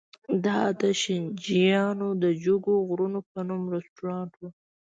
دا د شینجیانګ د جګو غرونو په نوم رستورانت و.